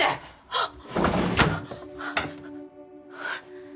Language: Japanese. あっ！